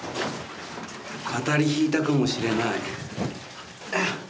当たり引いたかもしれない。